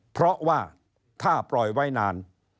เพราะว่าถ้าปล่อยไว้นาน